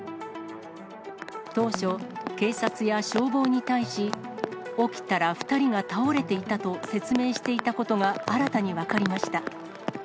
当初、警察や消防に対し、起きたら２人が倒れていたと説明していたことが新たに分かりました。